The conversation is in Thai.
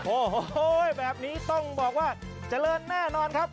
โอ้โหแบบนี้ต้องบอกว่าเจริญแน่นอนครับ